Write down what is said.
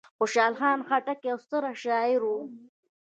خوشحال خان خټک یو ستر شاعر و.